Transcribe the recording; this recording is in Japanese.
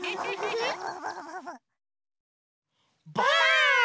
ばあっ！